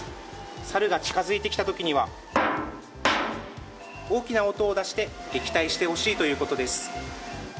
サルが近づいてきた時には大きな音を出して撃退してほしいということです。